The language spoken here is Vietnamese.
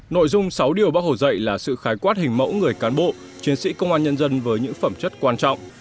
nội dung sáu điều bác hồ dạy là sự khái quát hình mẫu người cán bộ chiến sĩ công an nhân dân với những phẩm chất quan trọng